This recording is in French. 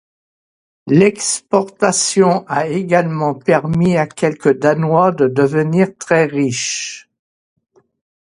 L'exportation a également permis à quelques Danois de devenir très riches.